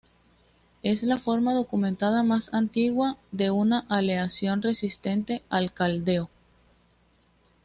Es la forma documentada más antigua de una aleación resistente al caldeo.